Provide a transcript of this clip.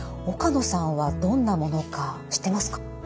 岡野さんはどんなものか知ってますか？